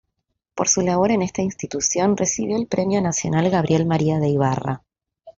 Por su labor en esta institución, recibió el Premio Nacional Gabriel María de Ibarra.